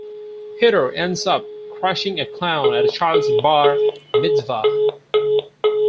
Peter ends up crushing a clown at a child's bar mitzvah.